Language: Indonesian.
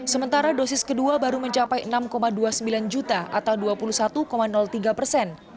sementara dosis kedua baru mencapai enam dua puluh sembilan juta atau dua puluh satu tiga persen